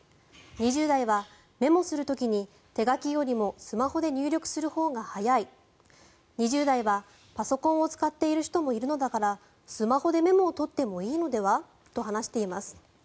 ２０代は、メモする時に手書きよりもスマホで入力するほうが速い２０代は、パソコンを使っている人もいるのだからスマホでメモを取ってもいいのでは？と話しています。